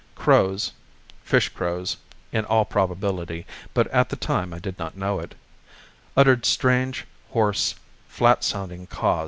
Crows (fish crows, in all probability, but at the time I did not know it) uttered strange, hoarse, flat sounding caws.